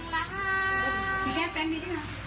พี่สุนใจมารับตาลี